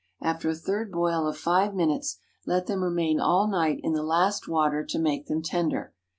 After a third boil of five minutes, let them remain all night in the last water to make them tender.